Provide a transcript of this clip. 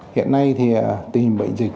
hiện nay thì tình hình bệnh dịch